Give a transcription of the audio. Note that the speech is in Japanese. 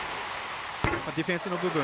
ディフェンスの部分